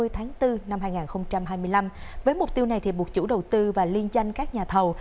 tháng bốn năm hai nghìn hai mươi năm với mục tiêu này buộc chủ đầu tư và liên danh các nhà thầu